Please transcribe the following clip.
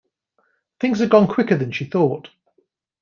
Things had gone quicker than she thought.